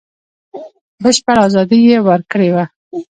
بشپړه ازادي یې ورکړې وه.